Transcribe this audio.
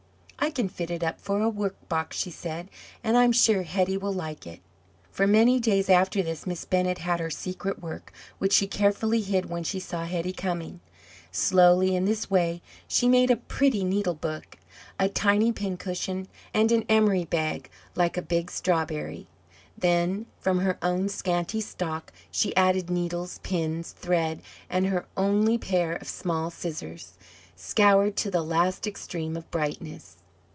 "I can fit it up for a workbox," she said, "and I'm sure Hetty will like it." For many days after this Miss Bennett had her secret work, which she carefully hid when she saw Hetty coming. Slowly, in this way, she made a pretty needle book, a tiny pincushion, and an emery bag like a big strawberry. Then from her own scanty stock she added needles, pins, thread, and her only pair of small scissors, scoured to the last extreme of brightness.